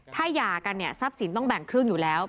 ถ้าหย่ากันเนี่ยทรัพย์สินต้องแบ่งครึ่งอยู่แล้ว